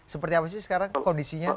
seperti apa sih sekarang kondisinya